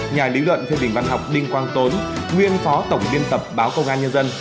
nhà lý luận phê bình văn học đinh quang tốn nguyên phó tổng biên tập báo công an nhân dân